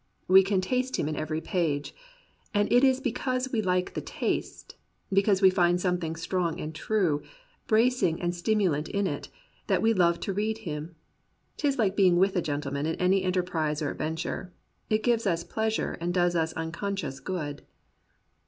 We can taste him in every page. And it is because we like the taste, because we find something strong and true, bracing and stimulant in it, that we love to read him. 'Tis like being with a gentleman in any enter prise or adventure; it gives us pleasure and does us unconscious good.